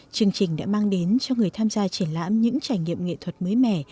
chương trình đã mang đến cho người tham gia triển lãm những trải nghiệm nghệ thuật mới mẻ